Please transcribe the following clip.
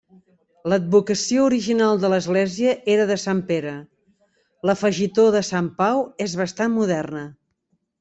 L'advocació original de l'església era de Sant Pere; l'afegitó de Sant Pau és bastant moderna.